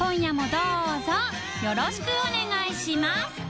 どうぞよろしくお願いします高畑）